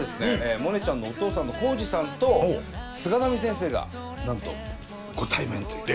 モネちゃんのお父さんの耕治さんと菅波先生がなんとご対面というね。